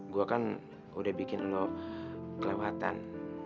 gue kan udah bikin lo kelewatan